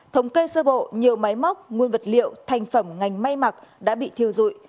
thống kê sơ bộ nhiều máy móc nguôi vật liệu thành phẩm ngành may mạc đã bị thiêu rụi